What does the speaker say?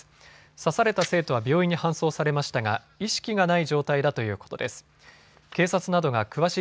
刺された生徒は病院に搬送されましたが意識がない状態だということです。